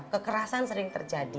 kekerasan sering terjadi